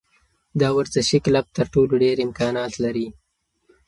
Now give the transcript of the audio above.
دا ورزشي کلب تر ټولو ډېر امکانات لري.